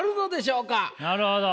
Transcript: なるほど。